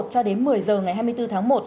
cho đến một mươi h ngày hai mươi bốn tháng một